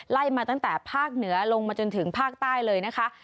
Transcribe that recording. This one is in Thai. ไล่มาตั้งแต่ภาคเหนือลงมาจนถึงภาคใต้เลยนะคะ